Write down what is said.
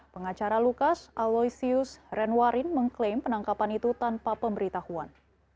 pengacara lukas aloysius renwarin mengklaim penangkapan itu tanpa pemberitahuan